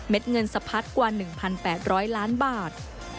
เงินสะพัดกว่า๑๘๐๐ล้านบาท